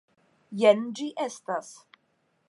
Jen ĝi estas.